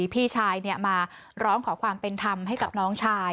พี่ชายมาร้องขอความเป็นธรรมให้กับน้องชาย